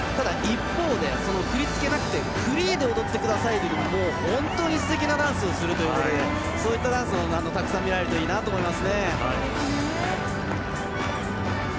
ただ、一方で振り付けじゃなくてフリーで踊ってくださいとなると本当にすてきなダンスをするということでそういったダンスをたくさん見られるといいなと思います。